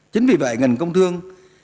chính vì vậy ngành công thương